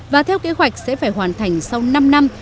và theo kế hoạch sẽ phải hoàn thành sau năm năm